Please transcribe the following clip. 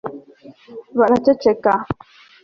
baraceceka